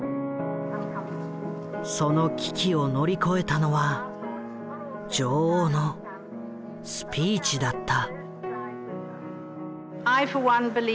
その危機を乗り越えたのは女王のスピーチだった。